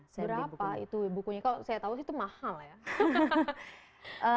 seberapa itu bukunya kalau saya tahu itu mahal ya